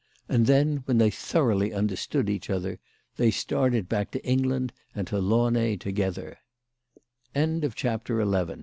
And then, when they thoroughly understood each other, they started back to England and to Launay togethe